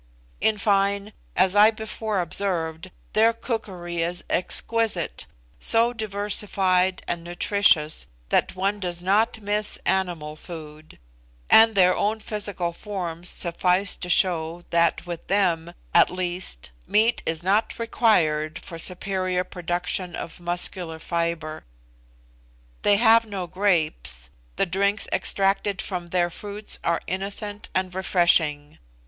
In fine, as I before observed, their cookery is exquisite, so diversified and nutritious that one does not miss animal food; and their own physical forms suffice to show that with them, at least, meat is not required for superior production of muscular fibre. They have no grapes the drinks extracted from their fruits are innocent and refreshing.